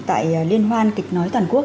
tại liên hoàn kịch nói toàn quốc